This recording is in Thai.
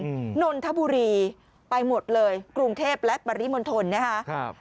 นนทบุรีไปหมดเลยกรุงเทพและปริมณฑลนะฮะครับ